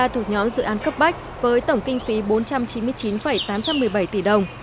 thuộc nhóm dự án cấp bách với tổng kinh phí bốn trăm chín mươi chín tám trăm một mươi bảy tỷ đồng